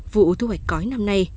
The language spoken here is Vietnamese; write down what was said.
vụ thu hoạch cõi năm nay